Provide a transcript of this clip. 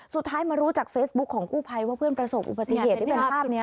สุดท้ายมารู้จากเฟซบุ๊คของกู้ภัยว่าเพื่อนประสบอุบัติเหตุที่เป็นภาพนี้